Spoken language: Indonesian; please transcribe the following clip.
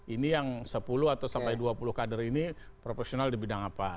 ini yang sepuluh atau sampai dua puluh kader ini profesional di bidang apa